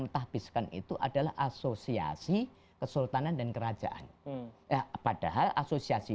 mentahbiskan itu adalah asosiasi kesultanan dan kerajaan padahal asosiasi